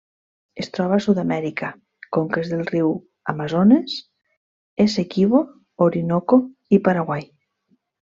Es troba a Sud-amèrica: conques dels rius Amazones, Essequibo, Orinoco i Paraguai.